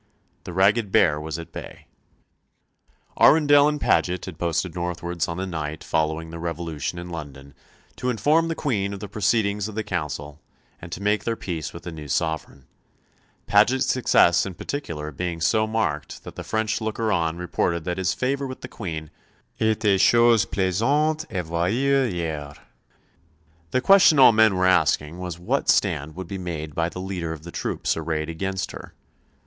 The ragged bear was at bay. Arundel and Paget had posted northwards on the night following the revolution in London to inform the Queen of the proceedings of the Council and to make their peace with the new sovereign; Paget's success in particular being so marked that the French looker on reported that his favour with the Queen "etait chose plaisante à voir et oir." The question all men were asking was what stand would be made by the leader of the troops arrayed against her.